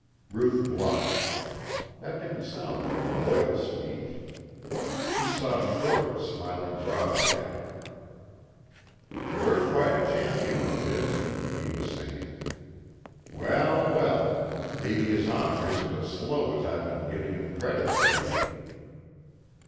Ruth blushed. That didn't sound like a loyal speech. She saw Schroder smiling broadly at her. "You're quite a champion of his," he was saying. "Well, well. Maybe his Honor isn't as slow as I've been giving him credit for being."